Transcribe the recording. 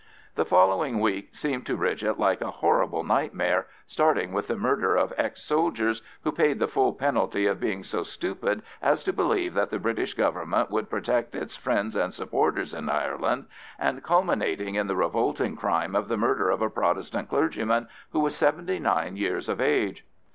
The following week seemed to Bridget like a horrible nightmare, starting with the murder of ex soldiers, who paid the full penalty of being so stupid as to believe that the British Government would protect its friends and supporters in Ireland, and culminating in the revolting crime of the murder of a Protestant clergyman, who was seventy nine years of age.